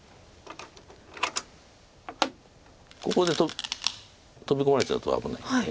ここでトビ込まれちゃうと危ないんで。